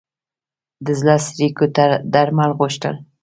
د زړه څړیکو ته درمل غوښتل.